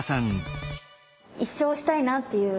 １勝したいなっていう。